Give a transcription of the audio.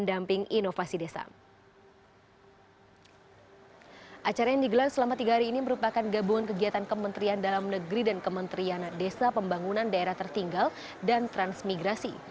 acara yang digelar selama tiga hari ini merupakan gabungan kegiatan kementerian dalam negeri dan kementerian desa pembangunan daerah tertinggal dan transmigrasi